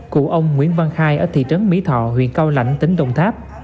cụ ông nguyễn văn khai ở thị trấn mỹ thọ huyện cao lãnh tỉnh đồng tháp